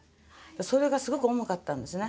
それがすごく重かったんですね。